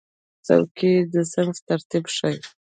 چوکۍ د صنف ترتیب ښیي.